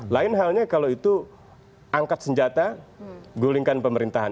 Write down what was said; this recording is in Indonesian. lain halnya kalau itu angkat senjata gulingkan pemerintahan